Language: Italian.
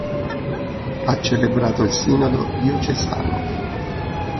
Ha celebrato il sinodo diocesano.